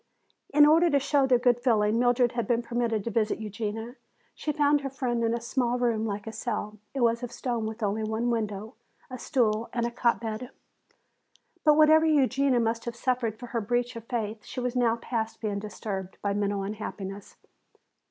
In order to show their good feeling, Mildred had been permitted to visit Eugenia. She found her friend in a small room like a cell. It was of stone with only one window, a stool and a cot bed. But whatever Eugenia must have suffered for her breach of faith, she was now past being disturbed by mental unhappiness.